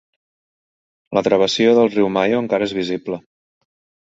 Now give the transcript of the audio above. La travessia del riu Mayo encara és visible.